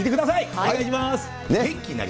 お願いします。